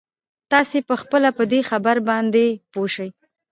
تاسې به خپله په دې خبره باندې پوه شئ.